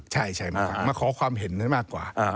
ใช่ใช่มาฟังมาขอความเห็นนั้นมากกว่า